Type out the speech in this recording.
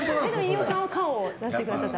飯尾さんは可を出してくださった。